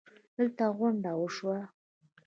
دلته غونډه وشوه